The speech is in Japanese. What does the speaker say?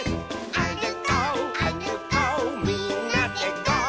「あるこうあるこうみんなでゴー！」